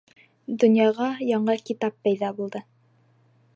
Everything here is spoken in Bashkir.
Донъяға яңы китап пәйҙә булды.